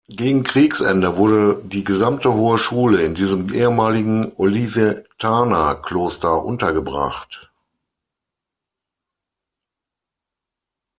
Gegen Kriegsende wurde die gesamte Hohe Schule in diesem ehemaligen Olivetaner-Kloster untergebracht.